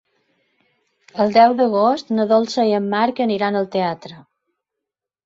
El deu d'agost na Dolça i en Marc aniran al teatre.